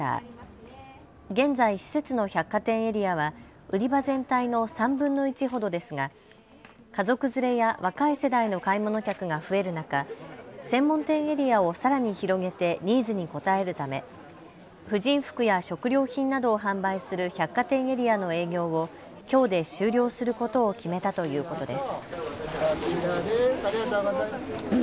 現在、施設の百貨店エリアは売り場全体の３分の１ほどですが家族連れや若い世代の買い物客が増える中、専門店エリアをさらに広げてニーズに応えるため婦人服や食料品などを販売する百貨店エリアの営業をきょうで終了することを決めたということです。